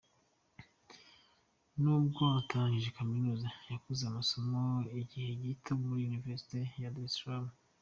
Nubwo atarangije Kaminuza, yakoze amasomo y’igihe gito muri University of Dar es Salaam.